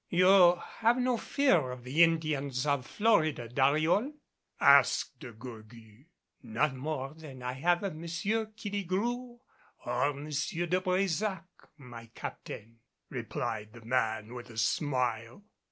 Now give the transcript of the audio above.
"You have no fear of the Indians of Florida, Dariol?" asked De Gourgues. "None more than I have of M. Killigrew or M. de Brésac, my Captain," replied the man with a smile.